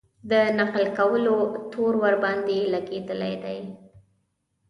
د نقل کولو تور ورباندې لګېدلی دی.